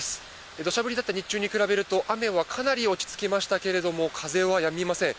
土砂降りだった日中に比べると雨はかなり落ち着きましたが風はやみません。